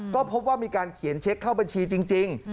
ก็พบว่ามีการเขียนเช็คเข้าบัญชีจริง